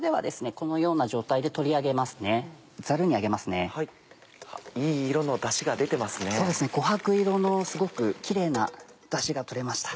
こはく色のすごくキレイなダシが取れました。